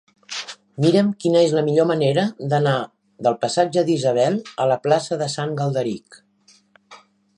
Mira'm quina és la millor manera d'anar del passatge d'Isabel a la plaça de Sant Galderic.